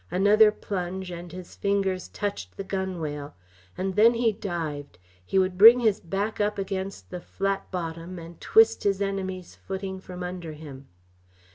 Another plunge and his fingers touched the gunwale. And then he dived; he would bring his back up against the flat bottom and twist his enemy's footing from under him.